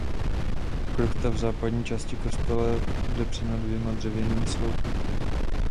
Kruchta v západní části kostela je podepřena dvěma dřevěnými sloupy.